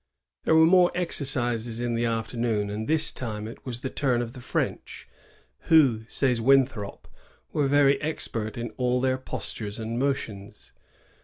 There were more exercises in the afternoon, and this time it was the turn of the French, who, says Winthrop, "were very expert in all their postures and motions.